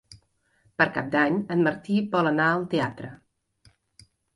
Per Cap d'Any en Martí vol anar al teatre.